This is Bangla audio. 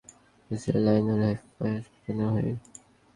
কিন্তু নুসরার আহত সেনাদের ইসরায়েলি লাইন ধরে হাইফার হাসপাতালে নেওয়া হয়।